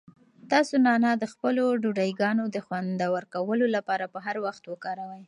تاسو نعناع د خپلو ډوډۍګانو د خوندور کولو لپاره په هر وخت وکاروئ.